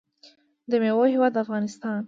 د میوو هیواد افغانستان.